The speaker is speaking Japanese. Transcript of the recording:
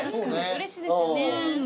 うれしいですよね。